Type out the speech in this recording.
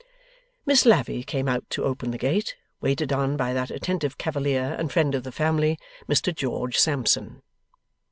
Miss Lavvy came out to open the gate, waited on by that attentive cavalier and friend of the family, Mr George Sampson.